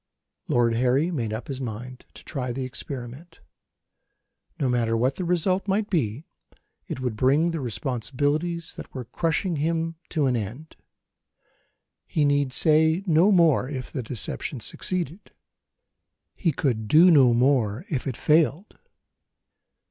Lord Harry made up his mind, to try the experiment. No matter what the result might be, it would bring the responsibilities that were crushing him to an end. He need say no more, if the deception succeeded. He could do no more, if it failed.